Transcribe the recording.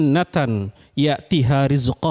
dan yang memiliki keuntungan